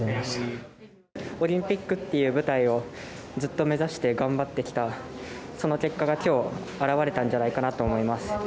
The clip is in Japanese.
オリンピックっていう舞台をずっと目指して頑張ってきたその結果がきょう表れたんじゃないかなと思います。